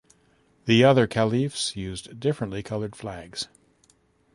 The other caliphs used differently colored flags.